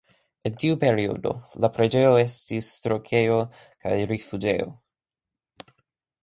En tiu periodo la preĝejo estis stokejo kaj rifuĝejo.